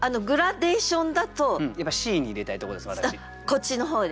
こっちの方ですね